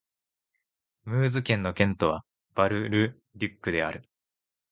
ムーズ県の県都はバル＝ル＝デュックである